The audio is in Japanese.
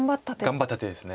頑張った手です。